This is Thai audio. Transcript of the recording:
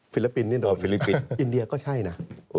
ฟิลปินนี่โดนอินเดียก็ใช่นะ